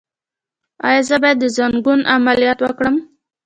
ایا زه باید د زنګون عملیات وکړم؟